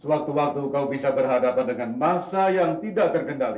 sewaktu waktu kau bisa berhadapan dengan masa yang tidak terkendali